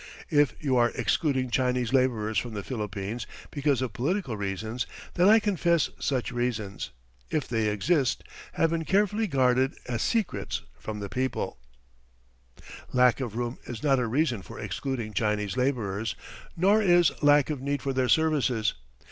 If you are excluding Chinese labourers from the Philippines because of political reasons then I confess such reasons, if they exist, have been carefully guarded as secrets from the public. "Lack of room is not a reason for excluding Chinese labourers, nor is lack of need for their services.